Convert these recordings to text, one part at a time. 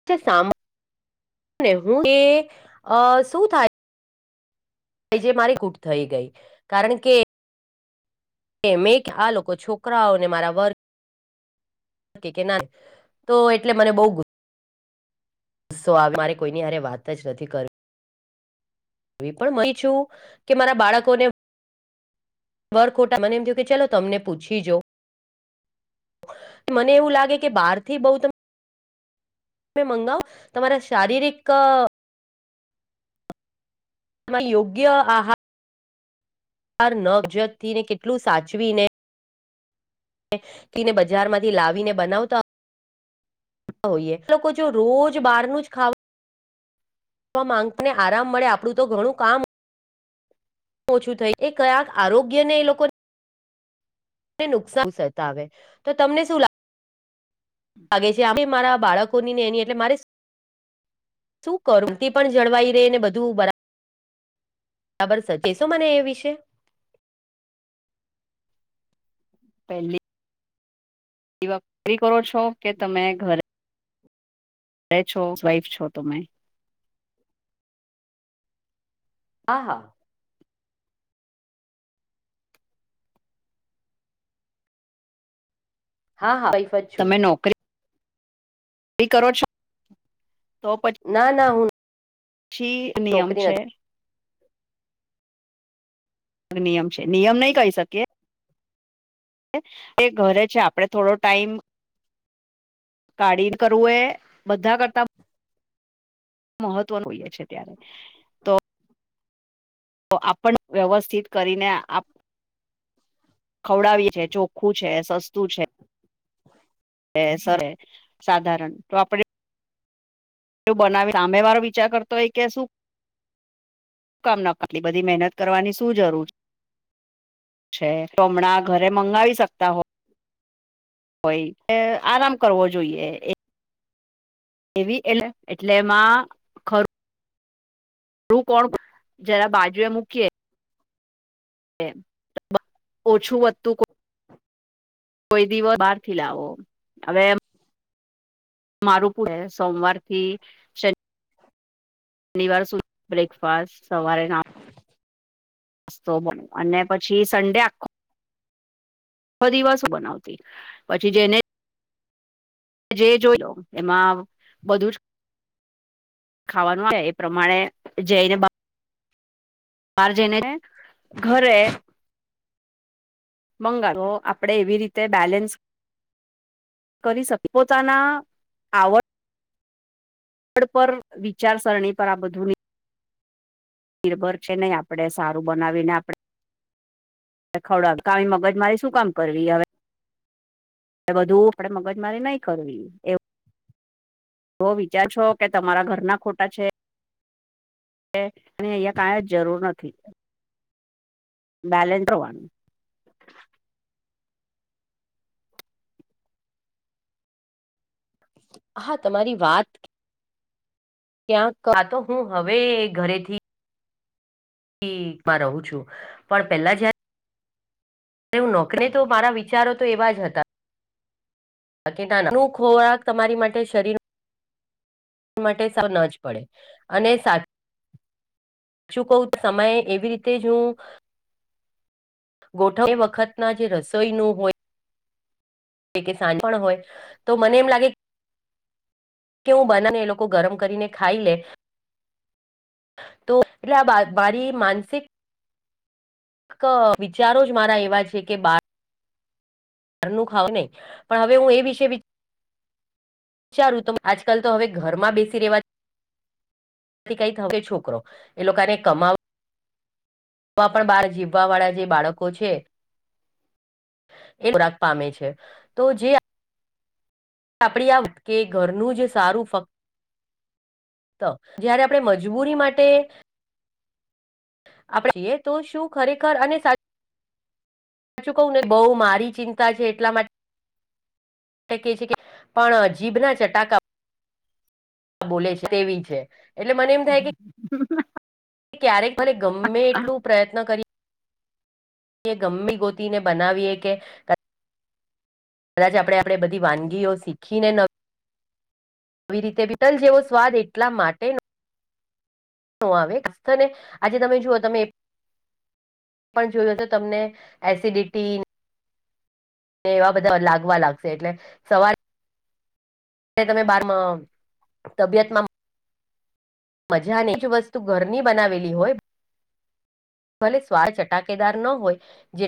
[unintelligible] જે મારી [unintelligible] થઈ ગઈ કારણ કે કે મેં આ લોકો છોકરાઓને મારા વર ના તો એટલે મને બઉ ગુ સો મારે કોઈની હારે વાત જ નથી કરવી. એ પણ [unintelligible] છું કે મારા બાળકોને વર ખોટા મને એમ થયું કે ચલો તમને પૂછી જો મને એવું લાગે કે બાર થી બોઉ ત તમે મંગાવ તમારા શારીરિક યોગ્ય આહાર નવજત થી ને કેટલું સાચવી ને તે ને બજાર માંથી લાવીને બનાવતા હોઈએ લોકો જો રોજ બહાર નું જ ખા વા માંગને આરામ મળે આપણું તો ઘણું કામ ઓછું થઈ એ કયાક આરોગ્ય ને એ લોકો નુકસાન કરતા આવે તો તમને શું લા લાગે છે એ મારા બાળકોની ને એની એટલે મારે શું કરું તે પણ બરાબર સર કેશો મને એ વિશે પેલી એ [unintelligible] કરો છો કે તમે ઘરે [unintelligible] વાઈફ છો તો આહા હા હા જ છું તમે નોકરી કરો છો? ના છી નિયમ નોકરી છે. નથી નિયમ છે નિયમ નઈ કહી શકીએ. એ ઘરે છે આપડે થોડો કાઢીને કરવું મહત્વનું એય છે ત્યારે તો આપણ વ્યવસ્થિત કરીને ખવડાવીએ છે ચોખ્ખું છે સસ્તું છે. એ સર સાધારણ તો આપડે એ બનાવી સામે વારો વિચાર કરતો હોય કે શું કામ ન આટલી બધી મહેનત કરવાની શું જરૂર છે. છે. તો અમણાં ઘરે મંગાવી શકતા હો હોય આરામ કરવો જોઈએ. એવી એલે એટલે એમાં હું કોણ જરા બાજુએ મૂકીએે ઓછું વધતું કોઈ દિવસ બારથી લાવો અવે મારું [unintelligible] સોમવાર થી શનિવાર સુધી બ્રેકફાસ્ટ સવારે સ્તો બ અને પછી સન્ડે આખો દિવસ બનાવતી પછી જેને જે જોય લો એમાં બધું જ ખાવાનું હોય એ પ્રમાણે જઈને બાર જઈને ઘરે બંગા તો આપડે એવી કરી શકે પોતાના આવડ પર વિચારસરણી પર આ બધું નિર્ભર છે નહી આપડણે સારું બનાવીને આપણે ખવડાવ કાવી મગજ મારી શું કામ કરવી એ એ બધું આપડે મગજમારી નહી કરવી એવ તો વિચારશો કે તમારા ઘર ના ખોટા છે અને અહિયાં કઈ જ જરૂર નથી બલેન્ડ્રોનું [inaudible] [inaudible] હા તમારી વાત ક્યાંક આ તો હું હવે ઘરેથી માં રહું છું, પણ પેલા જયારે નોકને તો મારા વિચારો તો એવા જ હતા બાકી ના ના ન ખોરાક તમારી માટે શરીર માટે ન જ પડે અને સાચ શું કવ સમયે એવી રીતે જ હું ગોઠવ એ વખત ના જે રસોઈનું હોય પ કે સાંજ પણ હોય તો મને એમ લાગે કે હું બના ને એ લોકો ગરમ કરીને ખાઈ લે. તો એટલે મારી માનસિક વિચારો જ મારા એવા છે કે બ ઘર નું ખાવ નહી, પણ હવે હું એ વિશે વિચારું તો આજકાલ તો હવે ઘરમાં બેસી રહેવા કઈ થ છોકરો, એ લોકોને કમા માં પણ બહાર જીવવા વાળા જે બાળકો છે. એ ખોરાક પામે છે, તો જે આપડી આ કે ઘરનું જ સારું ફક્ત તો જયારે આપણે મજબૂરી માટે આપડે જઈએ તો શું ખરેખર અને સાચું કવું ને બહુ મારી ચિંતા છે એટલા માટે છે, કે પણ જીભના ચટાકા બોલે છે તેવી છે, એટલે મને એમ થાય કે ક્યારેક ભરે ગમે એટલું પ્રયત્ન કરી ગમે ગોતીને બનાવીએ કે કદાચ આપણે આપણે બધી વાનગીઓ શીખીને ન આવી રીતે બિતતલ જેવો સ્વાદ એટલા માટે આવે ને, આજે તમે જુઓ તમે પણ જોયું તો, તમને એસિડિટી એવા બધા લાગવા લાગશે એટલે, સવાર તમે બાર તબિયતમાં મજા ને જ વસ્તુ ઘરની બનાવેલી હોય. ભલે સ્વાદ ચટાકેદાર ન હોય, જે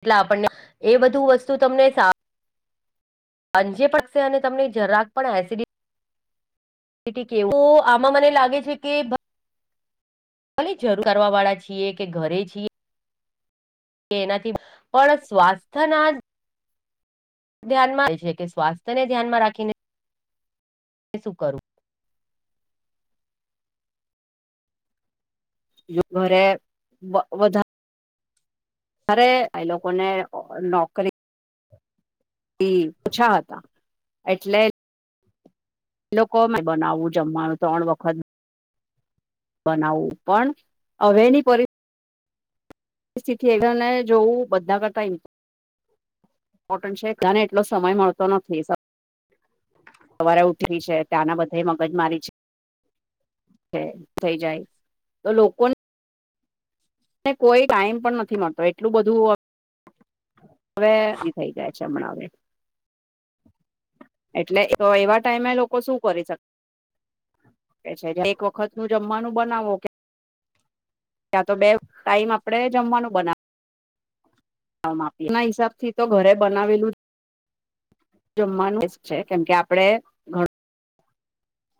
એટલે, આપણને એ બધું વસ્તુ તમને અંજે પકશે અને તમને જરાક પણ એસિ ડીટી કેવું આમાં મને લાગે છે કે કોલી જરૂર કરવા વાળા છીએ કે ઘરે છીએ. કે એનાથી, પણ સ્વાસ્થ્યના ધ્યાનમાં આવે છે કે સ્વાસ્થ્યને ધ્યાનમાં રાખીને શું કરવું? ઘરે વધારે અરે એ લોકોને નોકરી પૂછા હતા, એટલે એ લોકો અમે બનાવવું જમવાનું ત્રણ વખત બનાવવું પણ હવેની પરિ િ એ ને જોવું બધા કરતામ ઇપોર્ન્ટ છે તને એટલો સમય મળતો નથી. સવારે ઉઠી છે ત્યાંના બધા મગજ મારી છે. છે, થઈ જાય તો લોકોને ને કોઈ ટાઈમ પણ નથી મળતો એટલું બધું હવે ન થઈ ગયા છે હમણાં હવે. એટલે એવા ટાઈમે લોકો શું કરી શક એક વખત નું જમવાનું બનાવો કે. ત્યાં તો બે ટાઈમ આપડે જમવાનું બનાવ માપી એના હિસાબ થી તો ઘરે બનાવેલું જ જમવાનું છે કેમ કે આપડે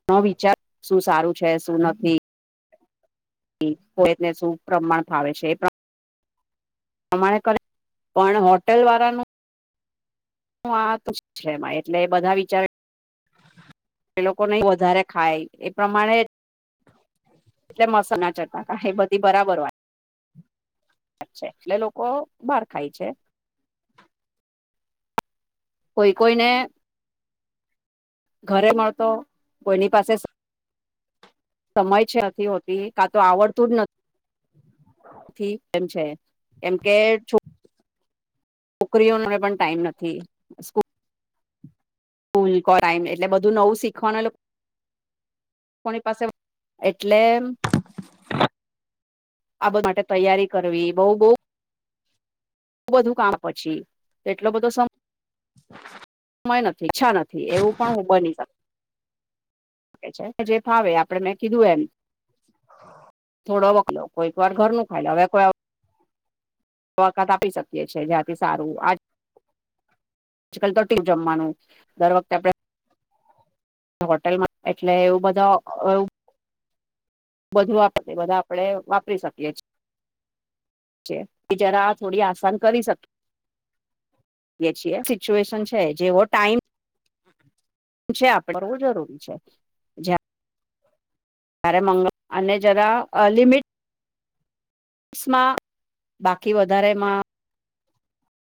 નો વિચાર શું સારું છે શું નથી. કો એને શું પ્રમાણ ફાવે છે એ [unintelligible] પણ હોટેલ વાળાનું હું આ તુશ છે એમાં એટલે બધા વિચાર એ લોકો નઈ વધારે ખાય એ પ્રમાણે એટલે મસા ના જતાતા હે બધી બરાબર વાત અચ્છા એટલે લોકો બહાર ખાય છે. કોઈ કોઈને ઘરે મળતો કોઈની પાસે સમજ છે નથી હોતી કા તો આવડતું જ નથી એમ છે. એમ કે છો છોકરીઓને પણ ટાઈમ નથી સ્કુ સ્કુલ કર એટલે બધું નવું શીખવાનું એટલે એ લોકોની પાસે એટલે આ બધા માટે તૈયારી કરવી બહ બહ બો બધું કામ પછી એટલો બધો સમ [inaudible] સમય નથી છચ્છા નથી એવું પણ હું બની શકે. જે ફાવે આપડે મેં કીધું એમ થોડો વકલો કોઈક વાર ઘર નું ખાઈ હવે કોઈ [unintelligible] આપી શકીએ છીએ જ્યાંથી સારું આ આજકાલ તો [unintelligible] જમવાનું દર વખતે આપડે હોટેલમાં એટલે એવું બધા એવું બધું આપ બધા આપડે વાપરી શકીએ છીએ. બિચારા થોડી આસાન કરી શકે. કીએ છીએ સિચ્યુએશન છે જેવો ટાઈમ [inaudible] આપ બ જરૂરી છે જયા ત્યારે મંગ અને જરા અ લિમિટ સ્મા બાકી વધારેમાં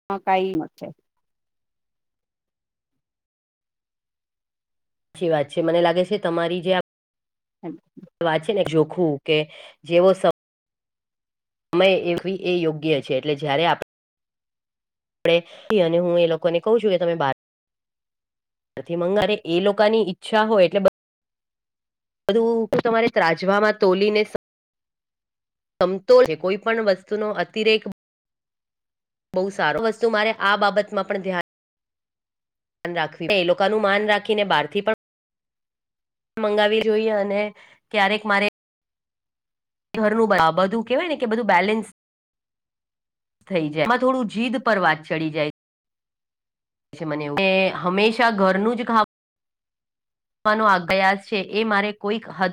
[unintelligible] સાચી વાત છે મને લાગે છે તમારી જે આ [inaudible] વાચીને જોખવું કે જેવો સ સમય એવી એ યોગ્ય છે એટલે જયારે આપ ણે અને હું એ લોકોને કહું છું કે તમે બાર નથી મંગ એ લોકોની ઈચ્છા હોય એટલે બધ બધું તમારે ત્રાજવામાં તોલીને સમતોલ છે કોઈ પણ વસ્તુ નો અતિરેક બહુ સારો વસ્તુ મારે આ બાબતમાં પણ ધ્યાન રાખવી એ લોકોનું માન રાખીને બહારથી પણ મંગાવી જોઈએ અને ક્યારેક મારે ઘરનું બધું કેહેવાય ને કે બધું બેલેન્સ થઈ જાય એમાં થોડું જીદ પર વાત ચડી જાય. છે મને એવું કે હંમેશા ઘરનું જ ખાવું નો આભયાસ છે એ મારે કોઈક હદ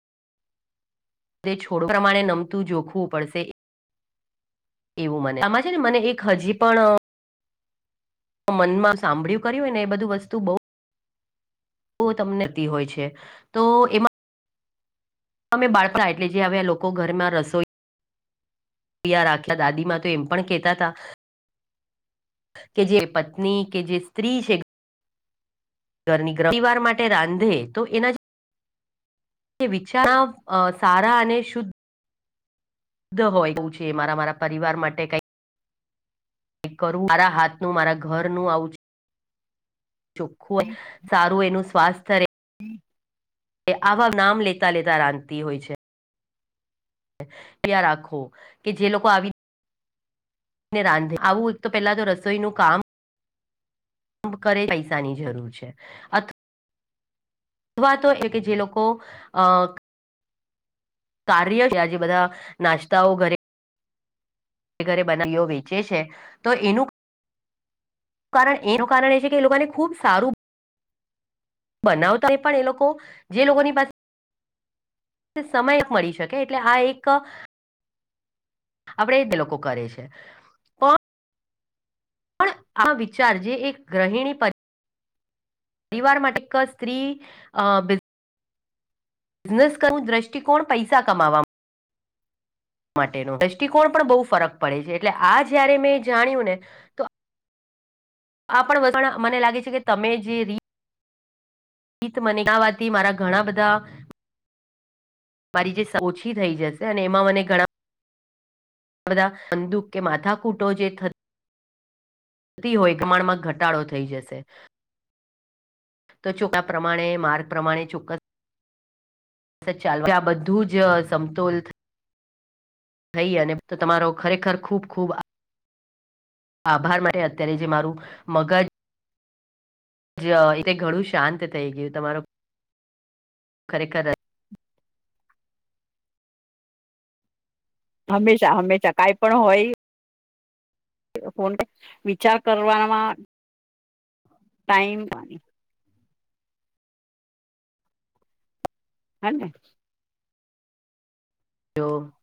દે છોડ પ્રમાણે નમતું જોખવું પડશે. એવું મને આમાં છે ને મને એક હજી પણ તો મનમાં સાંભળ્યું કર્યું હોય ને એ બધું વસ્તુ બહું ઓ તમનેતી હોય છે તો એમાં અમે બાળપરા એટલે જે હવે લોકો ઘરમાં રસોઈ રાખ્યા દાદીમાં તો એમ પણ કેતા હતા કે જે પત્ની કે, જે સ્ત્રી છે ઘરની પરિવાર માટે રાંધે તો એના જ વિચાર સારા અને શુદ્ધ હોય છે. મારા મારા પરિવાર માટે કઈ કઈ કરું મારા હાથ નું, મારા ઘર નું આવું ચોખ્ખું, સારું એનું સ્વાસ્થ [inaudible] આવા નામ લેતા લેતા રાંધતી હોય છે. ત્યાં રાખો કે જે લોકો આવી ને રાંધી આવું એક તો પેલા તો રસોઈનું કામ કરે, પૈસાની જરૂર છે અથવા અથવા તો એ તો જે લોકો અ કાર્ય છે. આ જે બધા નાસ્તાઓ ઘરે ઘરે બનાવીઓ વેચે છે તો એનું કારણ એનું કારણ એ છે કે લોકોને ખુબ સારું બનાવતા હોય પણ એ લોકો જે લોકોની પાસે સમય મળી શકે એટલે આ એક આપડે એ લોકો કરે છે પણ પણ આ વિચાર જે એક ગૃહિણી પર પરિવાર માટે એક સ્ત્રી અ બ બિઝનેસ કરવું, દ્રષ્ટિકોણ પૈસા કમાવા માટેનો દ્રષ્ટિકોણ પણ બો ફરક પડે છે એટલે આ જયારે મેં જાણ્યું ને તો આ પણ મને લાગે છે કે તમે જે રીત ગીત મગાવાથી મારા ઘણા બધા મારી જે ઓછી થઈ જશે અને એમાં મને ઘણા બધા કંદૂક કે માથાકૂટો જે થ થતી હોય કમણમાં ઘટાડો થઈ જશે. તો [unintelligible] પ્રમાણે માર્ગ પ્રમાણે ચોક્કસ તો ચાલતા બધું જ સમતોલ થય થઈ અને તો તમારો ખરેખર ખુબ ખુબ આ આભાર માટે અત્યારે જે મારું મગજ જે એ તે ઘણું શાંત થઈ ગયું. તમારો ખરેખર હંમેશા હંમેશા કાઈ પણ હોય તો ફોન, વિચાર કરવામાં ટાઈમ હને. [unintelligible]